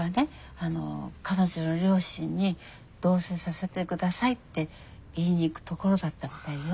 あの彼女の両親に同棲させて下さいって言いに行くところだったみたいよ。